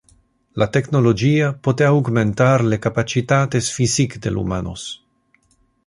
Le technologia pote augmentar le capacitates physic del humanos.